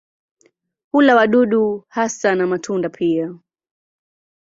Hula wadudu hasa na matunda pia.